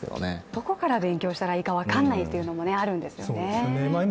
どこから勉強したらいいか分からないというのもありますよね。